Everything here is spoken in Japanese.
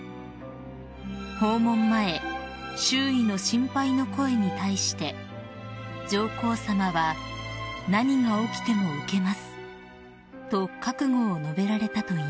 ［訪問前周囲の心配の声に対して上皇さまは「何が起きても受けます」と覚悟を述べられたといいます］